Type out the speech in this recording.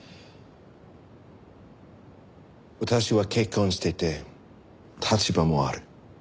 私は結婚してて立場もある。